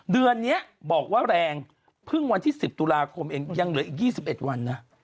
เดือนนี้บอกว่าแรงเพิ่งวันที่๑๐ตุลาคมเองยังเหลืออีก๒๑วันนะ